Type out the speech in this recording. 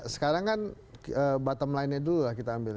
sekarang kan bottom line nya dulu lah kita ambil